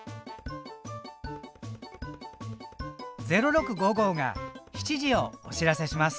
「０６」が７時をお知らせします。